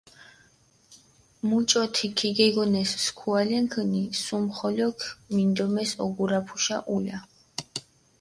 მუჭოთი ქიგეგონეს სქუალენქჷნი, სუმიხოლოქ მინდომეს ოგურაფუშა ულა.